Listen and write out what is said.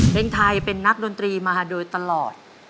เพลงไทยเป็นนักดนตรีมาโดยตลอด